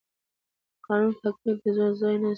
د قانون حاکمیت د زور ځای ناستی دی